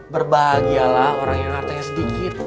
berbahagialah orang yang hartanya sedikit